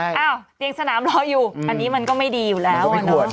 ว่าเตียงสนามรออยู่อันนี้มันก็ไม่ดีอยู่แล้ว